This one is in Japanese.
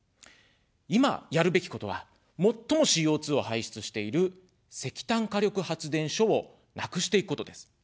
いま、やるべきことは、最もＣＯ２を排出している石炭火力発電所をなくしていくことです。